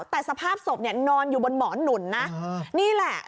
แต่สภาพสบนอนอยู่บนหมอนหนุ่นนี่แหละ